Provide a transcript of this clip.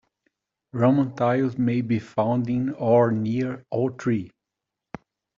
Roman tiles may be found in or near all three.